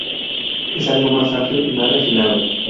Es algo más amplio y más refinado.